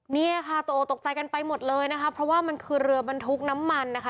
เนี่ยค่ะตกออกตกใจกันไปหมดเลยนะคะเพราะว่ามันคือเรือบรรทุกน้ำมันนะคะ